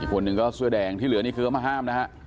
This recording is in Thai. คนหนึ่งก็เสื้อแดงที่เหลือนี่คือเขามาห้ามนะฮะ